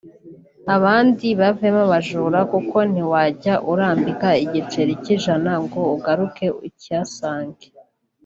abandi bavemo abajura kuko ntiwajya urambika igiceri cy’ijana ngo ugaruke ukihasange